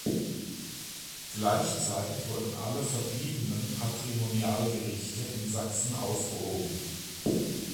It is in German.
Gleichzeitig wurden alle verbliebenen Patrimonialgerichte in Sachsen aufgehoben.